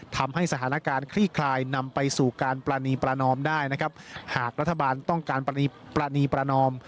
ทำให้สถานการณ์คลี่คลายนำไปสู่การปรณีประนอมได้นะครับหากรัฐบาลต้องการประณีประนอม